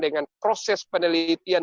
dengan proses penelitian